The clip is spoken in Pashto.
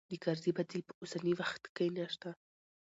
د کرزي بديل په اوسني وخت کې نه شته.